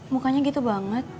mukanya gitu banget